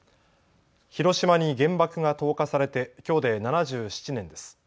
広島に原爆が投下されてきょうで７７年です。